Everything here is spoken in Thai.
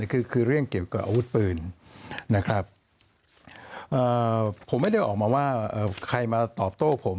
คือเรื่องเกี่ยวกับอาวุธปืนนะครับผมไม่ได้ออกมาว่าใครมาตอบโต้ผม